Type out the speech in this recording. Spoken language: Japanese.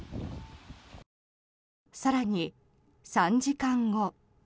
更に、３時間後。